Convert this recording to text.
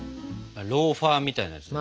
ローファーみたいなやつね。